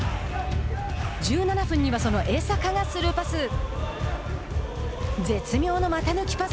１７分には、その江坂がスルーパス。